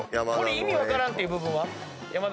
意味分からんっていう部分は？